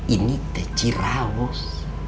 ini teh ciraus